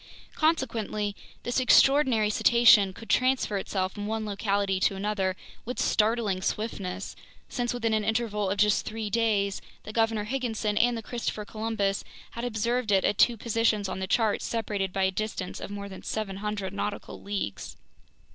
Consequently, this extraordinary cetacean could transfer itself from one locality to another with startling swiftness, since within an interval of just three days, the Governor Higginson and the Christopher Columbus had observed it at two positions on the charts separated by a distance of more than 700 nautical leagues.